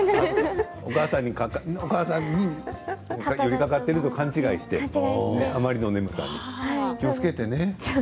お母さんに寄りかかっていると勘違いしてあまりの眠さに気をつけてね。